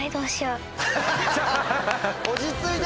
落ち着いて！